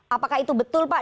apakah itu betul pak